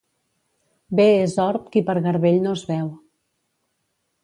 Bé és orb qui per garbell no es veu.